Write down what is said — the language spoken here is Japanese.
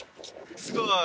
すごい。